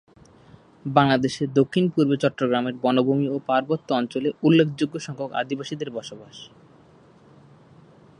বাংলাদেশের দক্ষিণ-পূর্বে চট্টগ্রামের বনভূমি ও পার্বত্য অঞ্চলে উল্লেখযোগ্য সংখ্যক আদিবাসীদের বসবাস।